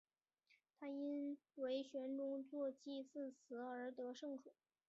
他因为玄宗作祭祀词而得圣宠。